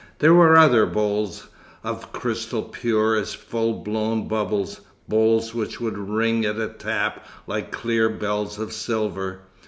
There were other bowls, of crystal pure as full blown bubbles, bowls which would ring at a tap like clear bells of silver.